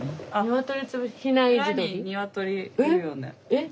えっ？